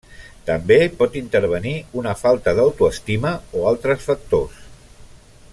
També pot intervenir una falta d'autoestima o altres factors.